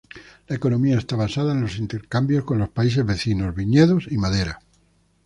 La economía está basada en los intercambios con los países vecinos, viñedos y madera.